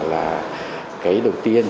là cái đầu tiên